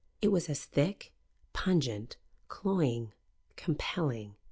It as thick, pungent, cloying, compelling.